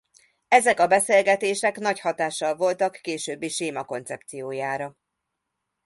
Ezek a beszélgetések nagy hatással voltak későbbi séma-koncepciójára.